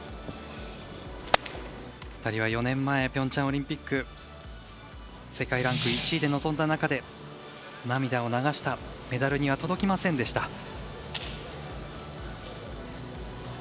２人は４年前ピョンチャンオリンピック世界ランク１位で臨んだ中で涙を流したメダルには届きませんでした。